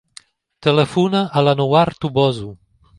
Telefona a l'Anouar Toboso.